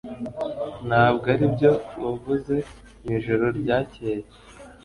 ntabwo aribyo wavuze mwijoro ryakeye